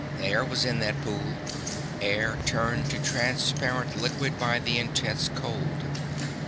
Air was in that pool, air turned to transparent liquid by the intense cold.